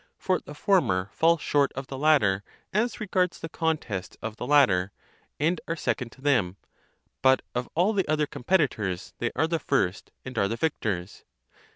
38 For the former fall short of the latter, as regards the contests of the latter, and are second to them ; but of all the other competitors, they are the first, and are the victors.